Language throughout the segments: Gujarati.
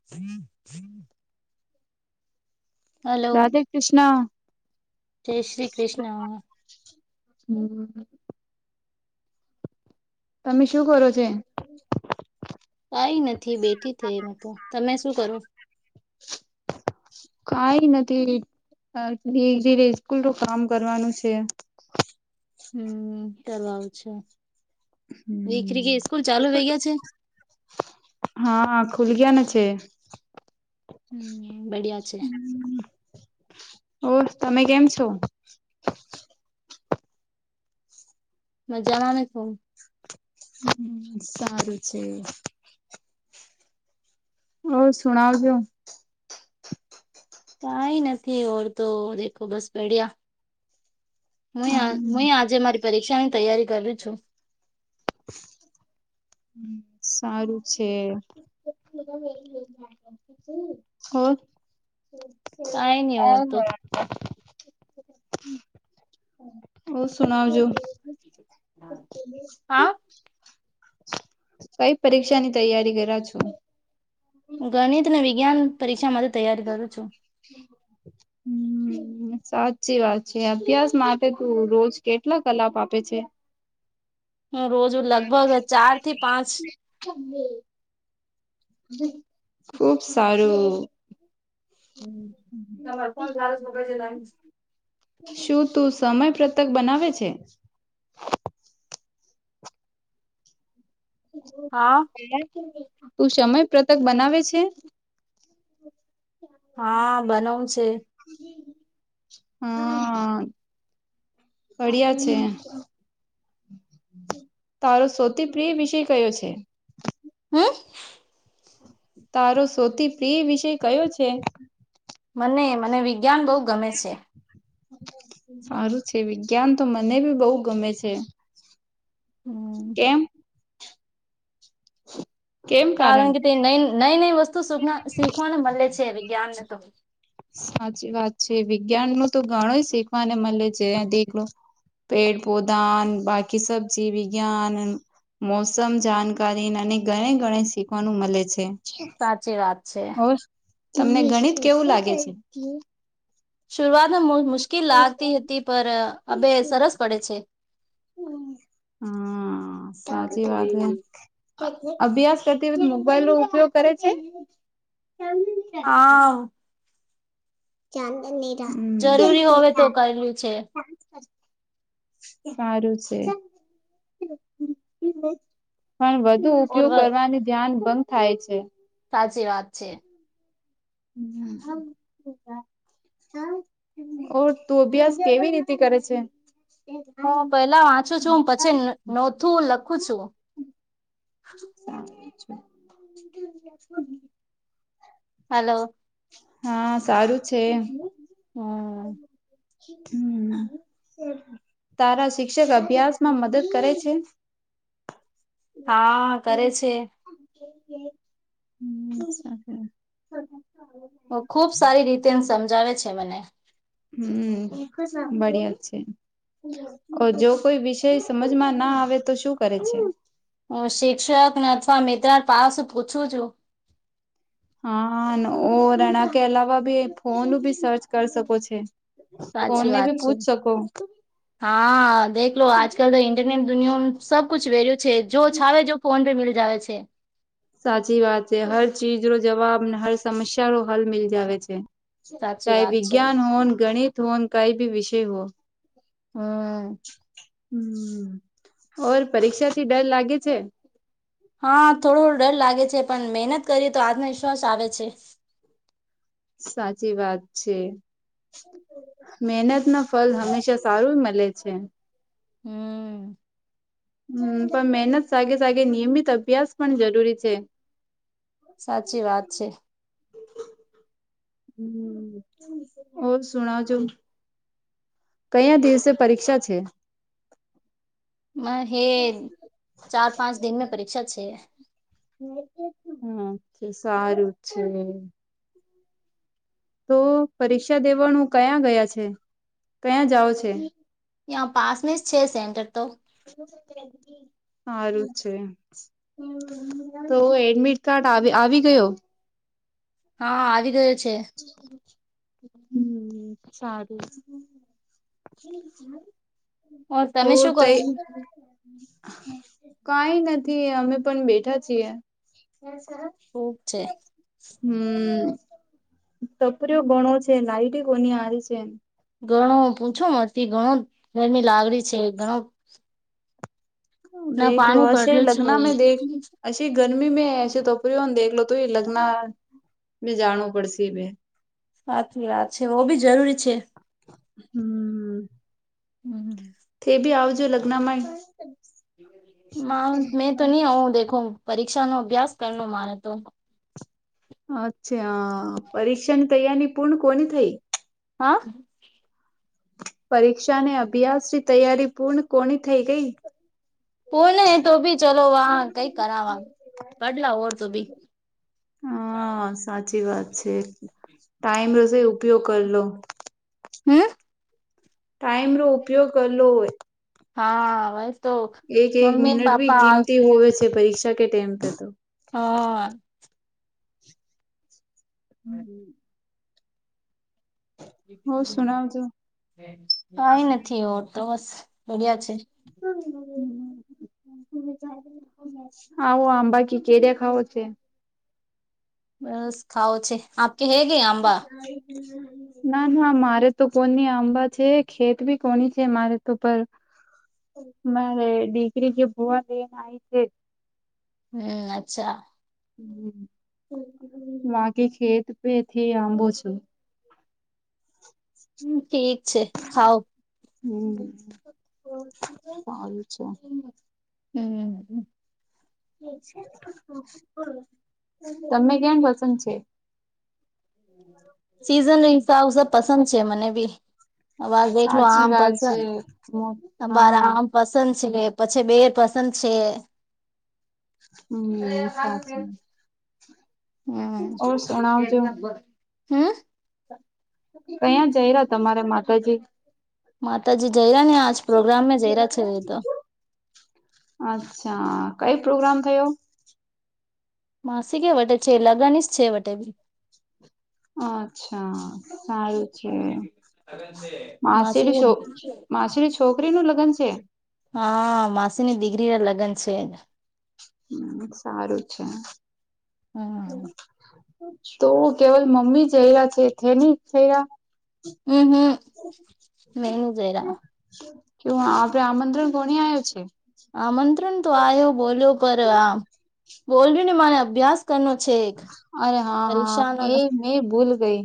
[inaudible] હલો રાધે કૃષ્ણ. જય શ્રી કૃષ્ણ. હમ. તમે શું કરો છે. કઈ નથી બેઠી થઈ એમ તો તમે શું કરો? કાઈ નથી. હ જે સ્કૂલ નું કામ કરવાનું છે. હમ કરવા આવ છે દીખરી કે સ્કૂલ ચાલુ થઈ ગયા છે હા ખુલ ગયાને છે. હમ બડિયા છે ઓર તમે કેમ છો? મજામાં મે છું. હમ સારું છે. હ શુંણાવ જો. કઈ નથી ઓર તો દેખો બસ બડીયા. હું હું આજે મારી પરીક્ષા ની તૈયારી કર છું. [inaudible] હમ સારું છે. હર હ કઈ નહી ઓર તો હ ઓ સુના જો હા. કઈ પરીક્ષા ની તૈયારી કર્યા છો. ગણિત ને વિજ્ઞાન પરીક્ષા માટે તૈયારી કરું છું હમ. હમ સાચી વાત છે અભ્યાસ માટે તું રોજ કેટલા કલાપ આપે છે. હ રોજ લગભગ ચાર થી પાંચ ખુબ સારું હમ તમારે ફન ચાલ બગ છે ના શું તું સમય પતક બનાવે છે હા તું સમય પતક બનાવે છે. હા બનાવું છે હમ કરિયા છે. તારો સૌતી પ્રિય વિષય કયો છે. હમ. તારો સૌથી પ્રિય વિષય કયો છે. મને મને વિજ્ઞાન બહુ ગમે છે. સારું છે વિજ્ઞાન તો મને ભી બહુ ગમે છે. હમ કેમ કારણ કે તે નઈ નઈ વસ્તુખ શીખવાને મળે છે વિજ્ઞાન ને તો. સાચી વાત છે વિજ્ઞાન નું તો ઘણોય શીખવાને મળે છે દેખલો. પેડ પૌધા બાકી સબજી વિજ્ઞાન મોસમ જાણકારી અને ગણે ગણ શીખવાનું મળે છે. સાચી વાત છે ઓર તમને ગણીત કેવું લાગે છે. શરૂઆતમાં મુશ્કે કી લાગતી હતી પર અબે સરસ પડે છે હા સાચી વાત હૈ અભ્યાસ કરતી મોબાઈલ નો ઉપયોગ કરે છે. હા ચંદન જરૂરી હોવે તો કરેલું છે [unintelligible] સારું છે પણ વધુ ઓર ઉપયોગ કરવાની ધ્યાન ભંગ થાય છે. સાચી વાત છે. હ ઓ તું અભ્યાસ કેવી રીતે કરે છે હ પેલા વાંચું છું હ પછી નોતું લખું છું. સચું છે હાલો હા સારું છે હમ હમ એ તારા શિક્ષક અભ્યાસમાં મદદ કરે છે. હા કરે છે હમ ખુબ સારી રીતે એ સમજાવે છે મને હમ બાળી જ છે. જો કોઈ વિષય સમજમાં ના આવે તો શું કરે છે. હ શિક્ષકને અથવા મિત્ર પાસ પૂછું છું હા ઓ રણા કે અલાવા ભી ફોન ભી સર્ચ કરી શકો છે સાચી કોને વાત ભી છે. પૂછ સકો હા દેખલો લો આજ કલ તો ઇન્ટરનેટ દુનિયામાં સબકુછ વેરુ છે જો છાવે જો ફોન રે મીલ જાવે છે સાચી વાત છે હર ચીજનો જવાબ ને હર સમસ્યા નો હલ મિલ જાવે છે સાચી ચાહે વાત છે વિજ્ઞાન હોન ગણિત હોન કઈ ભી વિષય હો હા ઓર પરીક્ષા થી ડર લાગે છે હા થોડો ડર લાગે છે પણ મહેનત કરી તો આત્મવિશ્વાસ આવે છે સાચી વાત છે મહેનત ના ફલ હંમેશા સારું મળે છે હમ હમ પણ મહેનત સાગે સાગે નિયમિત અભ્યાસ પણ જરૂરી છે સાચી વાત છે ઓ સુનો જુ કયા દિવસે પરીક્ષા છે હ એ ચાર પાંચ દિન મે પરીક્ષા છે હમ સારું છે તો પરીક્ષા દેવાનું કયાં ગયા છે કયાં જાઓ છે યા પાસમેં જ છે સેન્ટર તો હારું છે તો એડમિટ કાર્ડ આવી ગયો હા આવી ગયો છે [inaudible] હમ સારું ઓર હો તમે શું કરો? તઈ કઈ નથી અમે પણ બેઠા છીએ ખુબ છે હમ તપરીઓ બણો છે લાઈટ કોની હારી છે ઘણો પૂછો મથી ઘણો ગરમી લાગણી છે ઘણો ના પાણી પડ્યું છે અચી ગરમી મે અછી તપરી હોન દેખલો તું લગ્ન બ જાણું પડશે બે હાચી વાત છે હો બી જરૂરી છે હમ હમ તે ભી આવજો લગ્નમાંય મા મેં તો ની આવું દેખો પરીક્ષા નો અભ્યાસ કરનો મારે તો અચ્છા પરીક્ષાની તૈયારી પૂર્ણ કોની થઈ હા પરીક્ષાને અભ્યાસ તૈયારી પૂર્ણ કોની થઈ ગઈ ઓને તો ભી ચલો વા કઈ કરાવા પડલાર તો ભી હા સાચી વાત છે ટાઈમ રશે ઉપયોગ કરી લો હમ ટાઈમ નો ઉપયોગ લો હોય હા આવે એક એક મિનટ ભી કિંમતી હોવે છે પરીક્ષા કે ટેમ પે હા હમ્મ. હો સુણાવજો કઈ નથી હો તો, બસ બઢિયા છે. [inaudible] આવો આંબાકી કે દે ખાવો છે. બસ ખાઓ છે, આપ કે હૈ કે આંબા? [unintelligible] ના ના મારે તો કોની આંબા છે ખેત બી કોની છે મારે તો પર. મારે ડિગ્રી કે ભોવા એન આવી છે. હમ્મ, અચ્છા. બાકી ખેત પે થી આંબો છે. હમ્મ, ઠીક છે ખાવ હમ્મ, સારું છે. હમ્મ. તમને કેમ પસંદ છે? સીઝન નો હિસાબ સ પસંદ છે મને બી. અવાર દેખલો સાચી આમ વાત ફળશે છે ને અવાર હા આમ પસંદ છે પછી બે પસંદ છે. હમ્મ સાચી. હમ્મ, ઓર સુણાવજો હમ્મ? કયાં જઈ રયા તમારા માતાજી? માતાજી જહેરા ને આજ પ્રોગ્રામમાં જરા છે હુતો. અચ્છા, કઈ પ્રોગ્રામ થયો? માસીક એ વટે છે લગની જ છે વટે બી. અચ્છા, હા એ છે. લગન છે. માસેલી છો, માસેલી છોકરી નું લગ્ન છે? હા, માસીની દીકરી લગ્ન છે. હમ્મ, સારું છે. હમ્મ. તો કેવલ મમ્મી જઈ રહ્યા છે થે ની થ્યા? ઊં હું, મે ની જ રયા. કયું આપડે આમંત્રણ કોની આવ્યો છે? આમંત્રણ તો આવ્યો બોલ્યો પર આમ, બોલ્યું ને માને અભ્યાસ કનો છે. એક અરે હા હા પરીક્ષાનો મે મે ભૂલ ગઈ.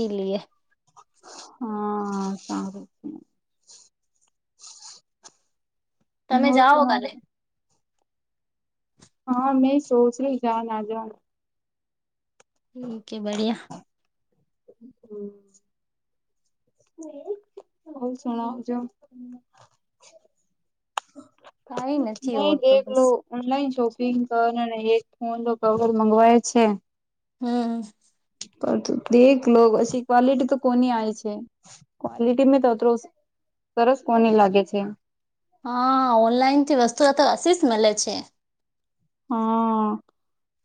ઈ લીએ. હા સારુ. તમે બો જાઓ શણા કાલે છે. હા મે સોચ રહી જા ના જાન. ઠીક એ બળિયા. હમ્મ. બઉ શણઉ છો. કઈ નથી નહી ઓર તો બસ દેખલું. ઓનલાઈન શોપિંગ કર અને એક ફોન નો કવર મગવાય છે. હમ્મ. પર દેક લો પછી કોલિટુ તો કોની આવી છે. કોલિટી મેં તો, સરસ કોને લાગે છે. હા ઓનલાઈન થી વસ્તુ તો હસીસ મળે છે. હા,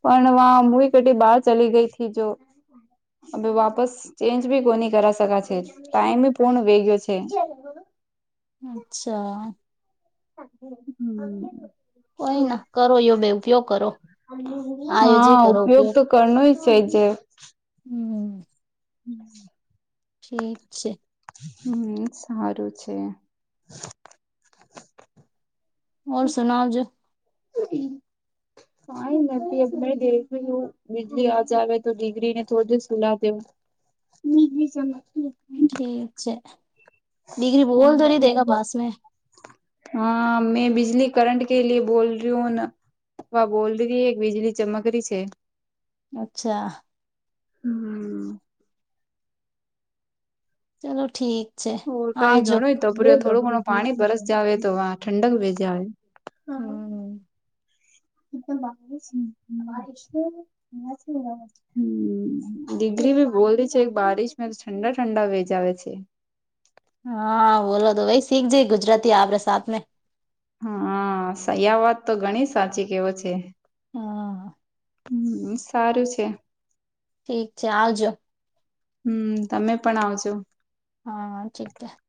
પણ વા મવી કેટલી બહાર ચલી ગઈ થી જો. અભી વાપસ ચેન્જ ભી કોની કરા શકા છે ટાઈમ બી પૂર્ણ વેગયો છે. અચ્છા. કોઈ હમ્મ. ના કરો યો બે ઉપયોગ કરો આયોજે હા કરો ઉપયોગ તો કરનુંય [unintelligible] જે હમ્મ. હમ્મ. ઠીક છે. હમ્મ, સારું છે. ઔર સુનાવ જો. કાંઈ નથી [unintelligible] વીજળી આ જાવે તો દિગરીને થોડી દેર સુલા દેવું. [inaudible] ઠીક છે. ડિગ્રી બોલ તો નહીં દેંગા બાસ મે હા મેં બિજલી કરંટ કે લીએ બોલ રહી હું ના વા બોલ [unintelligible] એક વીજળી ચમકરી છે. અચ્છા. હમ્મ. ચાલો ઠીક છે હોર કંઈ આજો ઘણુંય તોપર્યો થોડું ઘણું પાણી બરસ જાવે તો વા ઠંડક વે જ આવે. હા. હમ્મ [inaudible] હમ્મ, દીકરી ભી બોલે છે કે બારિશ મે ઠંડા-ઠંડા વેજ આવે છે. હા [unintelligible] તો [unintelligible] શીખ જી ગુજરાતી આવડે સા આપને. હા. સહી આ વાત તો ઘણી સાચી કેવો છે. હા. હમ્મ, સારું છે. ઠીક છે, આવજો. હમ્મ, તમે પણ આવજો. હા [unintelligible]